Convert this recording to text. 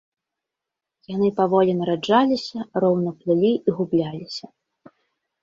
Яны паволі нараджаліся, роўна плылі і губляліся.